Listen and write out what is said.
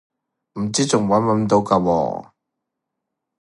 唔知仲搵唔搵到㗎喎